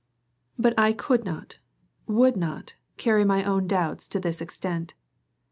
But I could not, would not, carry my own doubts to this extent.